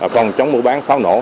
phòng chống mũ bán pháo nổ